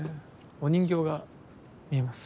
お人形が見えます